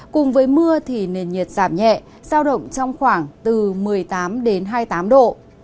cùng với mưa thì nền nhiệt giảm nhẹ giao động trong khoảng từ một mươi tám đến hai mươi tám độ